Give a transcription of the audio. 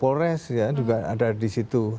polres ya juga ada di situ